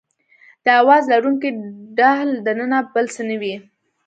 د اواز لرونکي ډهل دننه بل څه نه وي.